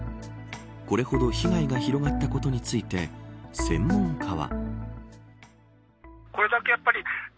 これほど被害が広がったことについて専門家は。